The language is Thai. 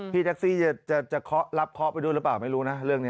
พี่ทักซี่จะรับคล้อไปดูหรือเปล่าไม่รู้นะเรื่องนี้